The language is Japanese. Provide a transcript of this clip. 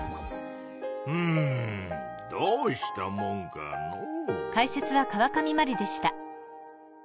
うんどうしたもんかのう。